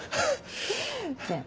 ねえ